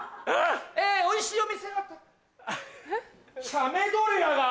えおいしいお店が。